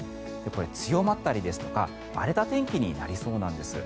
これ、強まったり荒れた天気になりそうなんです。